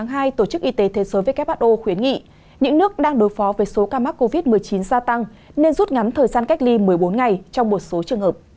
ngày hai tổ chức y tế thế giới who khuyến nghị những nước đang đối phó với số ca mắc covid một mươi chín gia tăng nên rút ngắn thời gian cách ly một mươi bốn ngày trong một số trường hợp